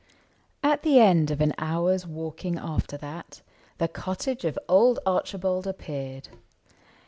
At the end of an hour's walking after that The cottage of old Archibald appeared.